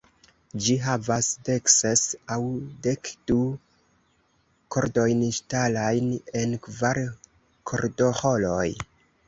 Ĝi havas dekses aŭ dekdu kordojn ŝtalajn en kvar kordoĥoroj.